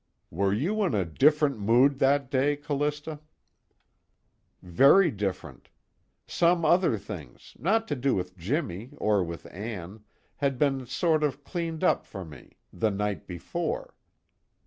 "Were you in a different mood that day, Callista?" "Very different. Some other things nothing to do with Jimmy, or with Ann had been sort of cleaned up for me, the night before."